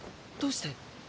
どうして？